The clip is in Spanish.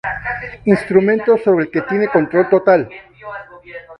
Instrumento sobre el que tiene control total.